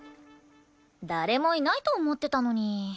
誰もいないと思ってたのに。